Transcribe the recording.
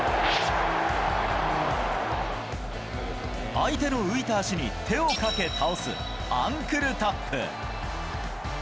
相手の浮いた足に手をかけ倒す、アンクルタップ。